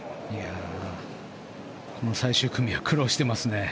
この最終組は苦労していますね。